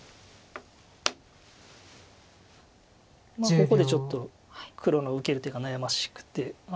ここでちょっと黒の受ける手が悩ましくて。